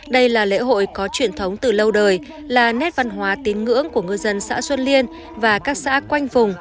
đây là lễ hội có truyền thống từ lâu đời là nét văn hóa tín ngưỡng của ngư dân xã xuân liên và các xã quanh vùng